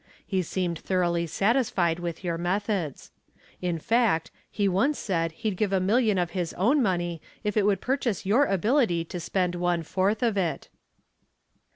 He seemed thoroughly satisfied with your methods. In fact, he once said he'd give a million of his own money if it would purchase your ability to spend one fourth of it."